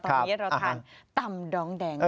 ตอนนี้เราทานตำดองแดง